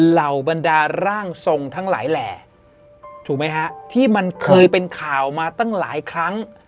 เหล่าบรรดาร่างทรงทั้งหลายแหล่ถูกไหมฮะที่มันเคยเป็นข่าวมาตั้งหลายครั้ง